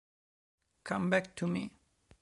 Come Back to Me